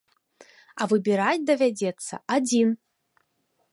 А выбіраць давядзецца адзін.